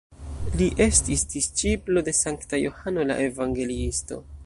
Li estis disĉiplo de Sankta Johano la Evangeliisto.